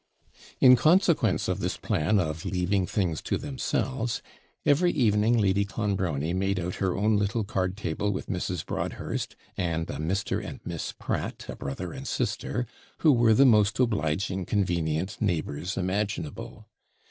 In consequence of this plan of leaving things to themselves, every evening Lady Clonbrony made out her own little card table with Mrs. Broadhurst, and a Mr. and Miss Pratt, a brother and sister, who were the most obliging, convenient neighbours imaginable.